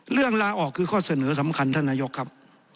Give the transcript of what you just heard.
ลาออกคือข้อเสนอสำคัญท่านนายกครับ